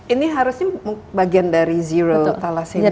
ini harusnya bagian dari zero tala semia